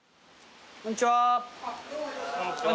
こんにちは。